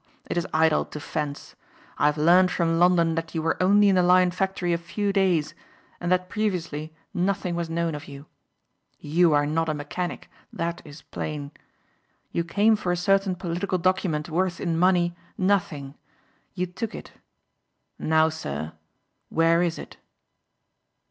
It is idle to fence. I have learnt from London that you were only in the Lion factory a few days and that previously nothing was known of you. You are not a mechanic; that is plain. You came for a certain political document worth in money nothing. You took it. Now, sir, where is it?"